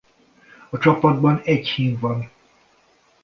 A csapatban egy hím van.